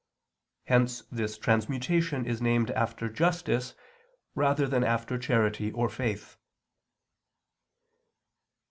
Hence this transmutation is named after justice rather than after charity or faith.